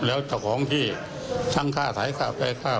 แล้วก็ของที่ทั้งค่าถ่ายค่าแผ่ค่า